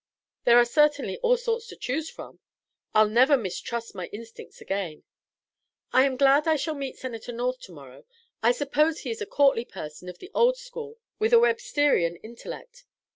"There are certainly all sorts to choose from! I'll never mistrust my instincts again. I am glad I shall meet Senator North to morrow. I suppose he is a courtly person of the old school with a Websterian intellect."